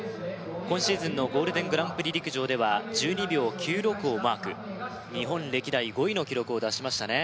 今シーズンのゴールデングランプリ陸上では１２秒９６をマーク日本歴代５位の記録を出しましたね